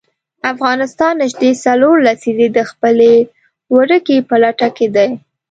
افغانستان نژدې څلور لسیزې د خپلې ورکې په لټه کې دی.